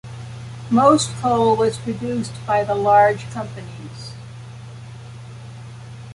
Most coal was produced by the large companies.